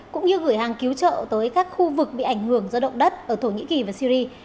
cũng như gửi hàng cứu trợ tới các khu vực bị ảnh hưởng do động đất ở thổ nhĩ kỳ và syri